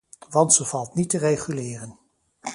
Want ze valt niet te reguleren.